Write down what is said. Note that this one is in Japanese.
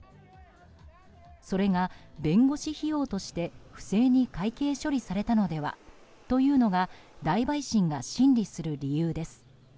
それが弁護士費用として不正に会計処理されたのではというのが大陪審が審理する理由です。